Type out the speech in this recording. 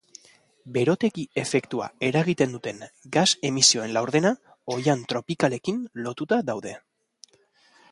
Berotegi efektua eragiten duten gas emisioen laurdena oihan tropikalekin lotuta daude.